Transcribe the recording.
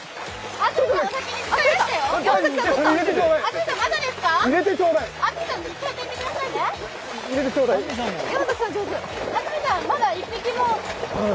安住さん、まだ１匹も。